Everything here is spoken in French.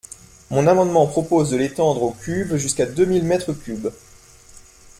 Mon amendement propose de l’étendre aux cuves jusqu’à deux mille mètres cubes.